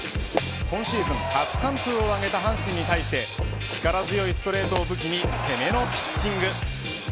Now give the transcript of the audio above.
今シーズン初完封をあげた阪神に対し力強いストレートを武器に攻めのピッチング。